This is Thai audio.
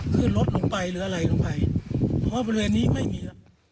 ขึ้นรถออกไปหรืออะไรหรือว่าเป็นเรื่องนี้ไม่มี